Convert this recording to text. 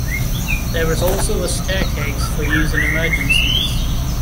There is also a staircase for use in emergencies.